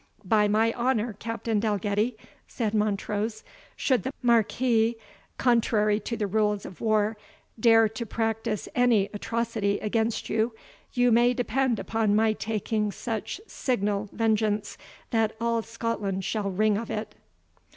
"By my honour Captain Dalgetty," said Montrose, "should the Marquis, contrary to the rules of war, dare to practise any atrocity against you, you may depend upon my taking such signal vengeance that all Scotland shall ring of it."